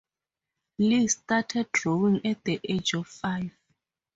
Lee started drawing at the age of five.